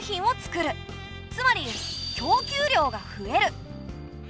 つまり供給量が増える。